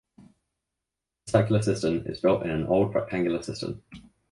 The circular cistern is built in an old rectangular cistern.